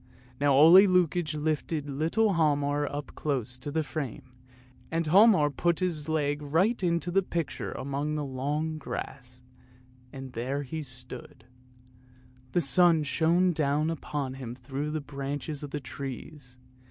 Now Ole Lukoie lifted little Hialmar up close to the frame, and Hialmar put his leg right into the picture among the long grass, and there he stood ; the sun shone down upon him through the branches of the trees.